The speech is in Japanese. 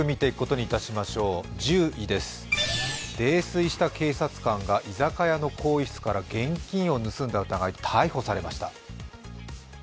１０位です、泥酔した警察官が居酒屋の更衣室から現金を盗んだ疑いで逮捕されました。